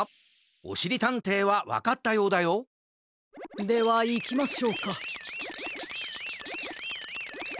おしりたんていはわかったようだよではいきましょうか。